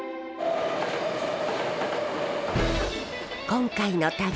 今回の旅